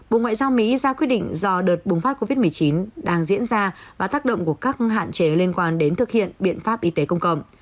bộ ngoại giao mỹ ra quyết định do đợt bùng phát covid một mươi chín đang diễn ra và tác động của các hạn chế liên quan đến thực hiện biện pháp y tế công cộng